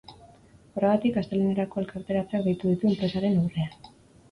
Horregatik, astelehenerako elkarretaratzeak deitu ditu enpresaren aurrean.